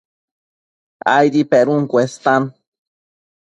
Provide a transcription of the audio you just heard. Aidi penun cuestan